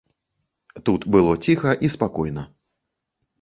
Тут было ціха і спакойна.